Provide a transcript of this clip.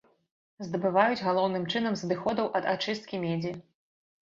Здабываюць галоўным чынам з адыходаў ад ачысткі медзі.